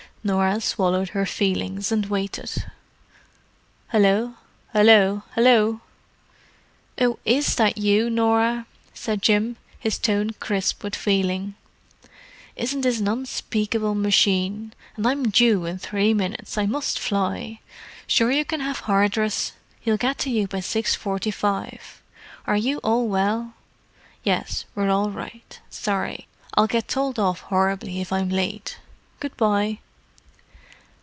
Norah swallowed her feelings and waited. "Hallo! Hallo! Hallo!—oh, is that you, Norah?" said Jim, his tone crisp with feeling. "Isn't this an unspeakable machine! And I'm due in three minutes—I must fly. Sure you can have Hardress? He'll get to you by the 6.45. Are you all well? Yes, we're all right. Sorry, I'll get told off horribly if I'm late. Good bye."